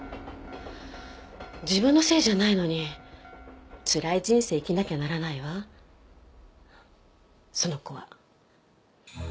自分のせいじゃないのにつらい人生生きなきゃならないわその子は。